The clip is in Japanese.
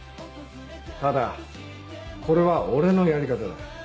ただこれは俺のやり方だ。